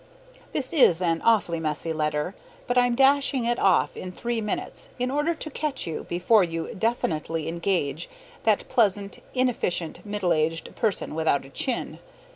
This is an awfully messy letter, but I'm dashing it off in three minutes in order to catch you before you definitely engage that pleasant, inefficient middle aged person without a chin.